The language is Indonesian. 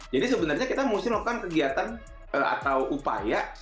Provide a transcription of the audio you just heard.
jadi sebenarnya kita harus melakukan kegiatan atau upaya